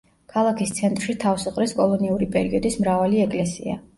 ქალაქის ცენტრში თავს იყრის კოლონიური პერიოდის მრავალი ეკლესია.